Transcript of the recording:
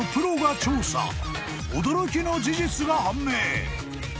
［驚きの事実が判明］